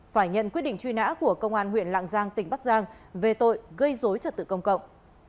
phải nhận quyết định truy nã của công an huyện lạng giang tỉnh bắc giang về tội gây dối trật tự công cộng